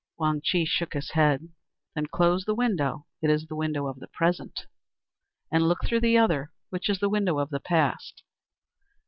Wang Chih shook his head. "Then close the window. It is the window of the Present. And look through the other, which is the window of the Past."